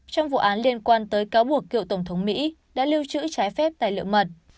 trong vụ án liên quan tới cáo buộc cựu tổng thống mỹ đã lưu trữ trái phép tài liệu mật